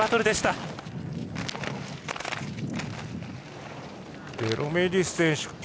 デロメディス選手